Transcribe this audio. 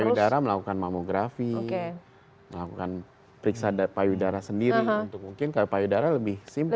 payudara melakukan mamografi melakukan periksa payudara sendiri untuk mungkin ke payudara lebih simpel